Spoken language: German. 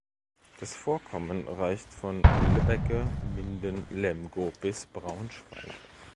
Das Vorkommen reicht von Lübbecke, Minden, Lemgo bis Braunschweig.